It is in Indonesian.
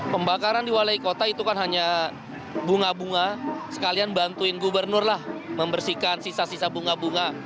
pembakaran di walai kota itu kan hanya bunga bunga sekalian bantuin gubernur lah membersihkan sisa sisa bunga bunga